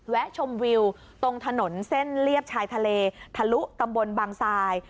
ชมวิวตรงถนนเส้นเลียบชายทะเลทะลุตำบลบางทราย